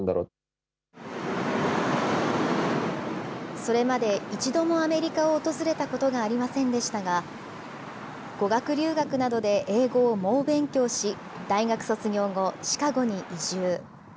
それまで一度もアメリカを訪れたことがありませんでしたが、語学留学などで英語を猛勉強し、大学卒業後、シカゴに移住。